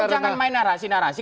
jangan main narasi narasi